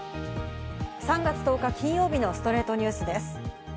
３月１０日、金曜日の『ストレイトニュース』です。